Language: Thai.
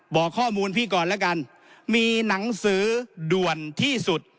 บอกข้อมูลพี่ก่อนแล้วกันมีหนังสือด่วนที่สุด